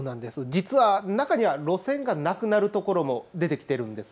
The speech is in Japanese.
実は中には路線がなくなるところも出てきているんです。